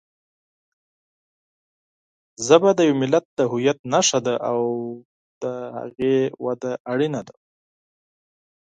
ژبه د یوه ملت د هویت نښه ده او د هغې وده اړینه ده.